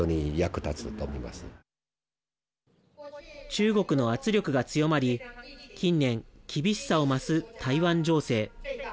中国の圧力が強まり近年、厳しさを増す台湾情勢。